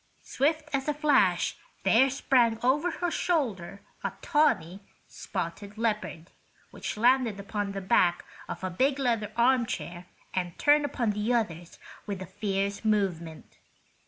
Swift as a flash there sprang over her shoulder a tawney, spotted leopard, which landed upon the back of a big leather armchair and turned upon the others with a fierce movement.